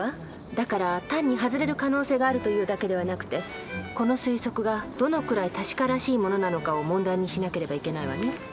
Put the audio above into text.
だから単に外れる可能性があるというだけではなくてこの推測がどのくらい確からしいものなのかを問題にしなければいけないわね。